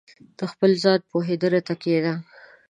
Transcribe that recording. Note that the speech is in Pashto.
• د خپل ځان پوهېدو ته کښېنه.